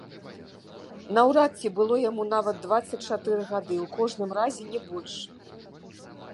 Наўрад ці было яму нават дваццаць чатыры гады, у кожным разе не больш.